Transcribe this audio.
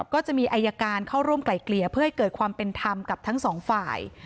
ก็จะมีอายการเข้าร่วมไกลเกลี่ยเพื่อให้เกิดความเป็นธรรมกับทั้งสองฝ่าย